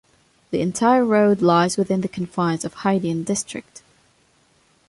The entire road lies within the confines of Haidian District.